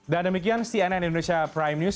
dan demikian cnn indonesia prime news